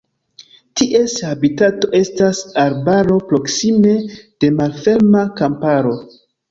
Ties habitato estas arbaro proksime de malferma kamparo.